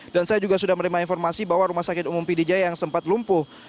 dan saya juga sudah menerima informasi bahwa rumah sakit umum pidijaya yang sempat lumpuh